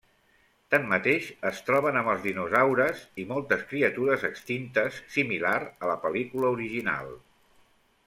Tanmateix, es troben amb els dinosaures i moltes criatures extintes, similar a la pel·lícula original.